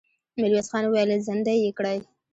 ميرويس خان وويل: زندۍ يې کړئ!